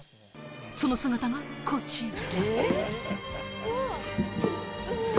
その姿がこちら。